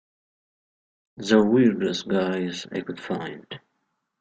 The weirdest guys I could find.